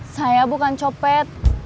saya bukan copet